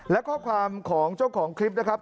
และข้อความของเจ้าของคลิปนะครับ